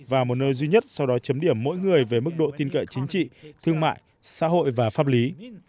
và một nơi duy nhất sau đó chấm điểm mỗi người về mức độ tin cậy chính trị thương mại xã hội và pháp lý